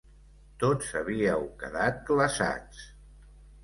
Tots havíeu quedat glaçats.